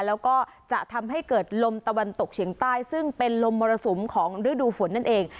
แล้วก็จะทำให้เกิดลมตะวันตกเฉียงใต้ซึ่งเป็นลมมรสุมของฤดูฝนนั่นเอง